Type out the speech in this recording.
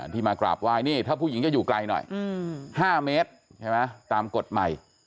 มากราบไหว้นี่ถ้าผู้หญิงจะอยู่ไกลหน่อย๕เมตรใช่ไหมตามกฎใหม่